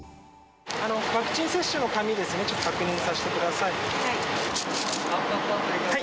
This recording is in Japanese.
ワクチン接種の紙ですね、ちょっと確認させてください。